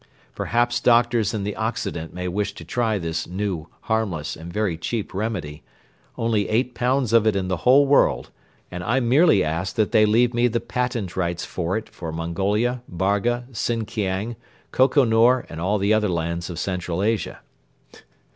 Perhaps doctors in the Occident may wish to try this new, harmless and very cheap remedy only eight pounds of it in the whole world and I merely ask that they leave me the patent rights for it for Mongolia, Barga, Sinkiang, Koko Nor and all the other lands of Central Asia.